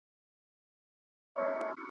حساب ښه دی پر قوت د دښمنانو .